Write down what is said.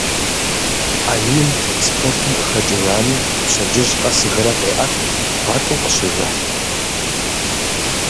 Алим спортым къыхэкӏыжами, пщэдджыжь къэс гырэ къеӏэт, паркым къыщежыхь.